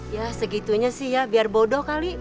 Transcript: ya segitunya sih ya biar bodoh kali